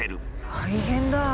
大変だ！